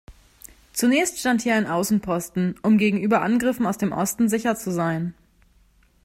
Zunächst stand hier ein Außenposten, um gegenüber Angriffen aus dem Osten sicher zu sein.